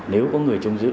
nếu có người trông giữ